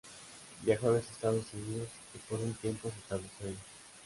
Viajó a los Estados Unidos y por un tiempo se estableció allí.